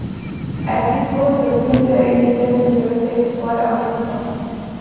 Elle dispose de plusieurs unités sur le territoire américain.